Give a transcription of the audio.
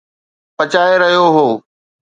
پچائي رهيو هو